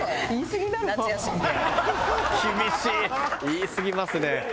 言いすぎますね。